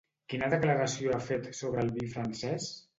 Quina declaració ha fet sobre el vi francès?